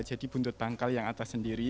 buntut pangkal yang atas sendiri